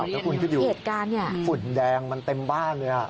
แล้วคุณคิดอยู่ฝุ่นแดงมันเต็มบ้านเลยอะ